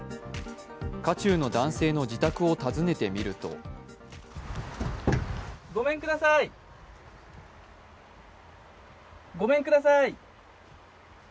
渦中の男性の自宅を訪ねてみるとごめんください、ごめんください